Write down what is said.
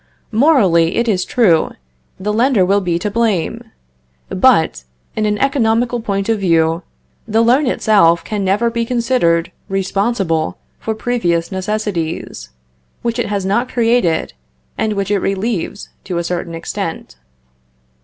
Morally, it is true, the lender will be to blame; but, in an economical point of view, the loan itself can never be considered responsible for previous necessities, which it has not created, and which it relieves, to a certain extent.